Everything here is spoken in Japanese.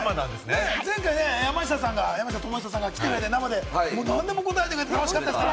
前回、山下さんが山下智久さんが来てくれて、何でも答えてくれて、楽しかったですよね。